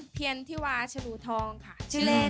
เพียนทิว่าชะดูทองค่ะชื่อเลน